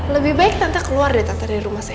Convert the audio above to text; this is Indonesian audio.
lebih baik tante keluar deh tante dari rumah saya